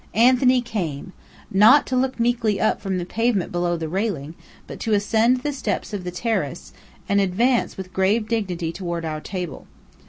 Anthony came! Not to look meekly up from the pavement below the railing, but to ascend the steps of the terrace, and advance with grave dignity toward our table.